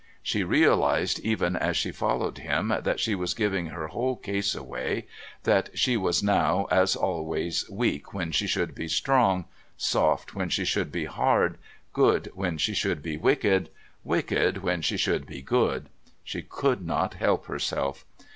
She realised, even as she followed him, that she was giving her whole case away, that she was now, as always, weak when she should be strong, soft when she should be hard, good when she should be wicked, wicked when she should be good. She could not help herself.